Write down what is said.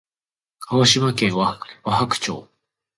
鹿児島県和泊町